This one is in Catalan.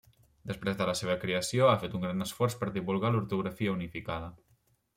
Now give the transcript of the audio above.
Després de la seva creació ha fet un gran esforç per a divulgar l'ortografia unificada.